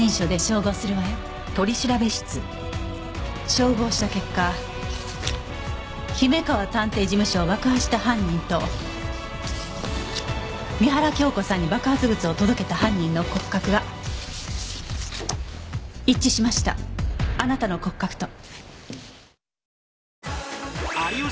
照合した結果姫川探偵事務所を爆破した犯人と三原京子さんに爆発物を届けた犯人の骨格が一致しましたあなたの骨格と。